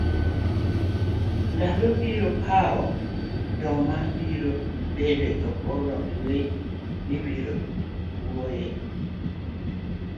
ndalo mobiro kawo, joma biro bedo e chokruogno, gi weche mibiro wuoyoe,